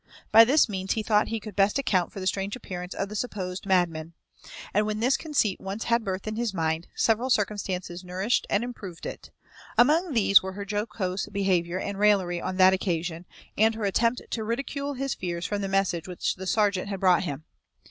By this means he thought he could best account for the strange appearance of the supposed madman. And when this conceit once had birth in his mind, several circumstances nourished and improved it. Among these were her jocose behaviour and raillery on that occasion, and her attempt to ridicule his fears from the message which the serjeant had brought him.